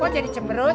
kok jadi cemberut